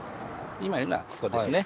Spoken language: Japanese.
今いるのはここですね。